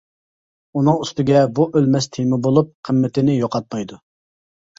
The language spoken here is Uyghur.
ئۇنىڭ ئۈستىگە بۇ ئۆلمەس تېما بولۇپ، قىممىتىنى يوقاتمايدۇ.